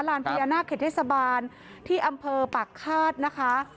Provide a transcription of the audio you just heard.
พญานาคเขตเทศบาลที่อำเภอปากฆาตนะคะ